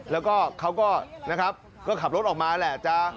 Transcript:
แล้วก็เขาก็ขับรถออกมาแหละ